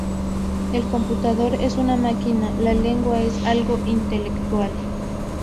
El computador es una máquina, la lengua es algo intelectual.